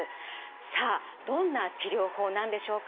さあどんな治療法なんでしょうか。